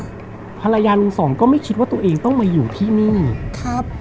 ภรรยาลุงสองก็ไม่คิดว่าตัวเองต้องมาอยู่ที่นี่ครับ